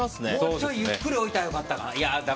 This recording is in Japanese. もうちょいゆっくり置いたらよかったかな。